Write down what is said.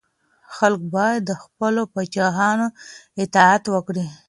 خلګ باید د خپلو پاچاهانو اطاعت وکړي.